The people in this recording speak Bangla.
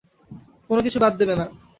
কোনো কিছু বাদ দেবে না।